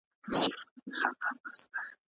ایا د ناتاشا ورور په جګړه کې ووژل شو؟